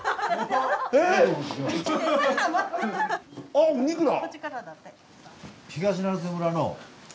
あっお肉だ。